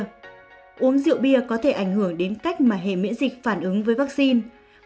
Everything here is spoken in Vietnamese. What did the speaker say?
uống rượu bia có thể ảnh hưởng đến cách mà hệ miễn dịch phản ứng với vaccine